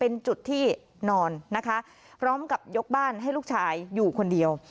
เป็นจุดที่นอนนะคะพร้อมกับยกบ้านให้ลูกชายอยู่คนเดียว